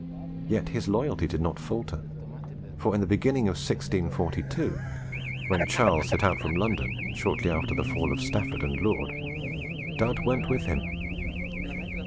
Yet his loyalty did not falter, for in the beginning of 1642, when Charles set out from London, shortly after the fall of Strafford and Laud, Dud went with him.